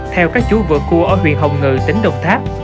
theo các chú vự cua ở huyện hồng ngự tỉnh đồng tháp